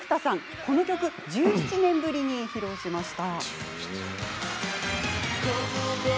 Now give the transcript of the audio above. この曲は１７年ぶりに披露しました。